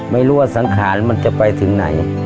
ไม่รู้ว่าสังขารมันจะไปถึงไหน